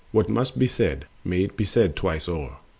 25. What must be said, may well be said twice o'er.